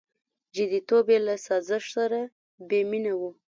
• جديتوب یې له سازش سره بېمینه و.